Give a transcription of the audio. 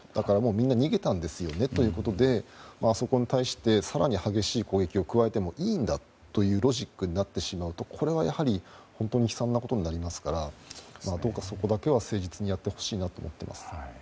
みんな逃げたんですよねということで、そこに対して更に激しい攻撃を加えてもいいんだというロジックになるとこれは、やはり本当に悲惨なことになりますからどうかそこだけは、誠実にやってほしいなと思います。